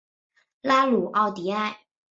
拉鲁奥迪埃。